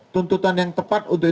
tuntutan yang tepat untuk